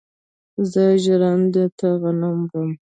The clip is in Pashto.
زه ژرندې ته غنم وړم.